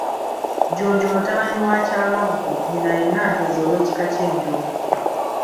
JJUNJU mutabani wa Kyabaggu, nnyina ye Nanteza ow'ekika ky'Enjovu.